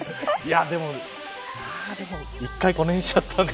でも一回これにしちゃったんで。